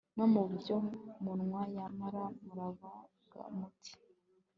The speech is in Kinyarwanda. no mu byo munywa Nyamara muravuga muti